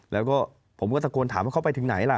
แล้วก็ผมก็ตะโกนถามว่าเขาไปถึงไหนล่ะ